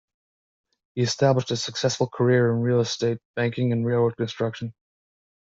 He established a successful career in real estate, banking and railroad construction.